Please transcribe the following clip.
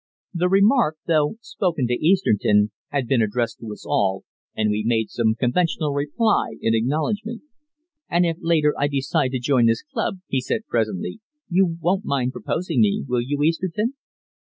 The remark, though spoken to Easterton, had been addressed to us all, and we made some conventional reply in acknowledgment. "And if, later, I decide to join this club," he said presently, "you won't mind proposing me, will you, Easterton?"